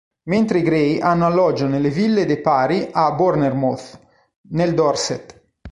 Mentre i Grey hanno alloggio nelle ville dei Pari a Bournemouth, nel Dorset.